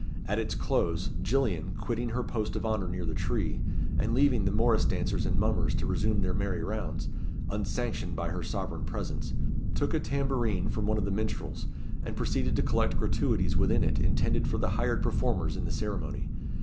At its close, Gillian, quitting her post of honour near the tree, and leaving the morrice dancers and mummers to resume their merry rounds, unsanctioned by her sovereign presence, took a tambourine from one of the minstrels, and proceeded to collect gratuities within it intended for the hired performers in the ceremony.